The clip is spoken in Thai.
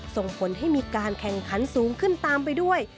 ส่งผลให้มีการแข่งขันสูงขึ้นตามไปด้วย